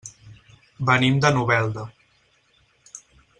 Venim de Novelda.